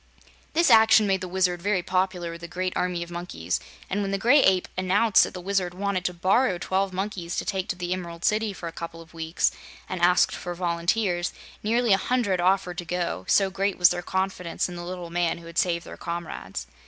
This action made the Wizard very popular with the great army of monkeys, and when the Gray Ape announced that the Wizard wanted to borrow twelve monkeys to take to the Emerald City for a couple of weeks, and asked for volunteers, nearly a hundred offered to go, so great was their confidence in the little man who had saved their comrades.